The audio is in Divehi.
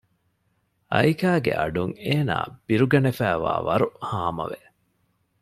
އައިކާގެ އަޑުން އޭނާ ބިރުގަނެފައިވާވަރު ހާމަވެ